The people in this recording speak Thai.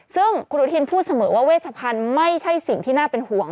ซึ่งคุณอนุทินพูดเสมอว่าเวชพันธุ์ไม่ใช่สิ่งที่น่าเป็นห่วง